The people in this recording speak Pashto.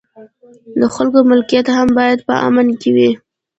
د خلکو ملکیت هم باید په امن کې وي.